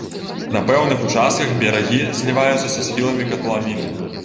На пэўных участках берагі зліваюцца са схіламі катлавіны.